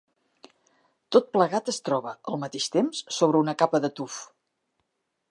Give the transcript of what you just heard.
Tot plegat es troba, al mateix temps, sobre una capa de tuf.